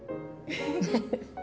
フフフ。